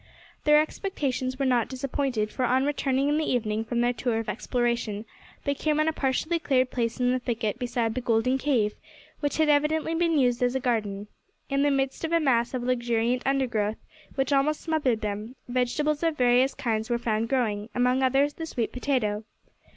Their expectations were not disappointed, for, on returning in the evening from their tour of exploration, they came on a partially cleared place in the thicket beside the golden cave, which had evidently been used as a garden. In the midst of a mass of luxuriant undergrowth, which almost smothered them, vegetables of various kinds were found growing among others the sweet potato.